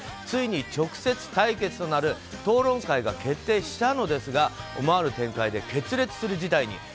ついに直接対決となる討論会が決定したのですが思わぬ展開で決裂する事態に。